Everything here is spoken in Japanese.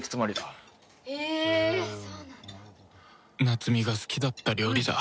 夏美が好きだった料理だ